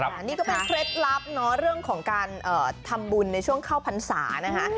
อันนี้ก็เป็นเคล็ดลับเนาะเรื่องของการทำบุญในช่วงเข้าพรรษานะคะ